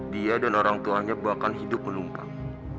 dia dan orang tuanya bahkan hidup menumpang